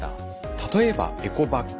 例えばエコバッグ。